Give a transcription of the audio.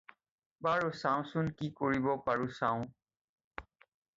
বাৰু চওঁচোন্, কি কৰিব পাৰোঁ চাওঁ।